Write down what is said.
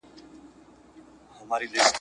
پښتانه په ډېر تکليف جنګېدل.